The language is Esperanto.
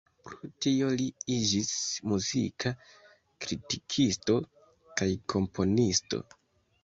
Pro tio li iĝis muzika kritikisto kaj komponisto.